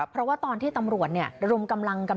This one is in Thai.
เพราะว่าตอนที่ตำรวจระดมกำลัง